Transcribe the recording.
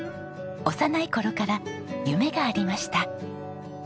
幼い頃から夢がありました。